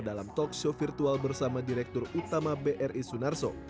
dalam talk show virtual bersama direktur utama bri sunarso